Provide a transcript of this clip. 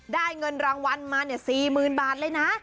เงินรางวัลมา๔๐๐๐บาทเลยนะ